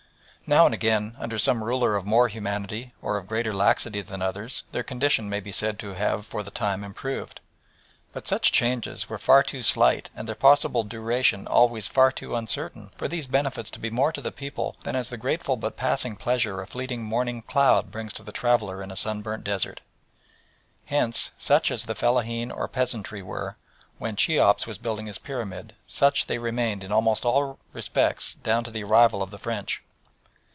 Now and again under some ruler of more humanity or of greater laxity than others their condition may be said to have for the time improved, but such changes were far too slight and their possible duration always far too uncertain for these benefits to be more to the people than as the grateful but passing pleasure a fleeting morning cloud brings to the traveller in a sunburnt desert. Hence, such as the fellaheen or peasantry were when Cheops was building his pyramid, such they remained in almost all respects down to the arrival of the French.